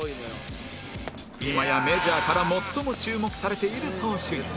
今やメジャーから最も注目されている投手に